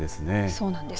そうなんです。